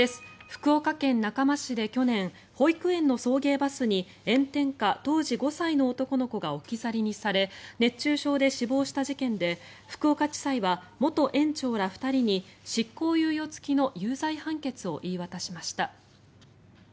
福岡県中間市で去年保育園の送迎バスに炎天下、当時５歳の男の子が置き去りにされ熱中症で死亡した事件で福岡地裁は元園長ら２人に執行猶予付きの有罪判決を言い渡しました。